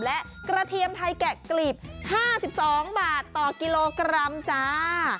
และกระเทียมไทยแกะกลีบ๕๒บาทต่อกิโลกรัมจ้า